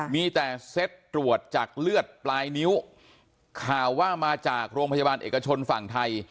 มีแต่เซ็ตตรวจจากเลือดปลายนิ้วข่าวว่ามาจากโรงพยาบาลเอกชนฝั่งไทย